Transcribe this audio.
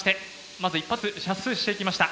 まず１発射出していきました。